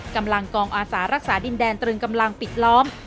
กำลังกองอาสารักษาดินแดนตรึงกำลังปิดล้อม